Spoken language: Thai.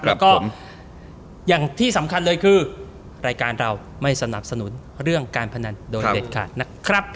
แล้วก็อย่างที่สำคัญเลยคือรายการเราไม่สนับสนุนเรื่องการพนันโดยเด็ดขาดนะครับ